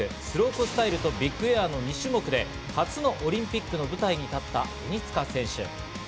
スロープスタイルとビッグエアの２種目で初のオリンピックの舞台に立った鬼塚選手。